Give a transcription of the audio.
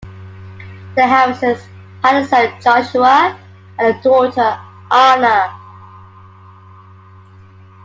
The Harrisons had a son, Joshua, and a daughter, Anna.